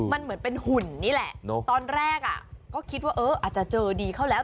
มันเหมือนเป็นหุ่นนี่แหละตอนแรกอ่ะก็คิดว่าเอออาจจะเจอดีเข้าแล้ว